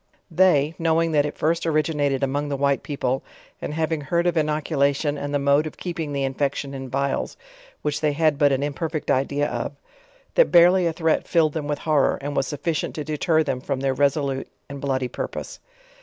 They, knowing that it first originated among the white people, and having heard of innoculation and the mode of keeping the infection in vials, which they had but an imperfect idea of, that bare ly a threat filled them with horror, and was sufficient to de ter them from their resolute and bloody purpose.